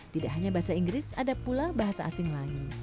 tidak hanya bahasa inggris ada pula bahasa asing lain